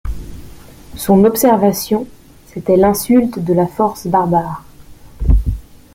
Son observation, c'était l'insulte de la force barbare.